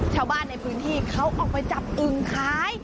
ชาวบ้านในพื้นที่เขาออกไปจับอึ่งขาย